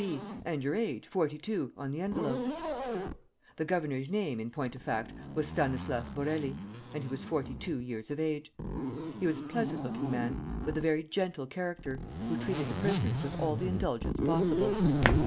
B., and your age, forty two, on the envelope!" The governor's name, in point of fact, was Stanislas Borély, and he was forty two years of age. He was a pleasant looking man, with a very gentle character, who treated the prisoners with all the indulgence possible.